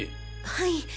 はい。